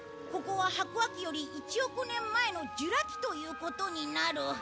ここは白亜紀より１億年前のジュラ紀ということになる。